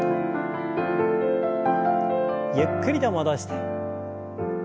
ゆっくりと戻して。